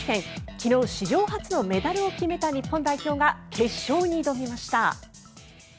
昨日、史上初のメダルを決めた日本代表が決勝に挑みました。